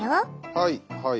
はいはい。